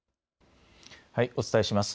お伝えします。